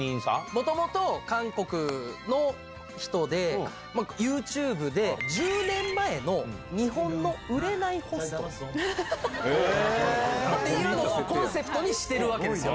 もともと韓国の人で、ユーチューブで１０年前の日本の売れないホスト、というのをコンセプトにしてるわけですよ。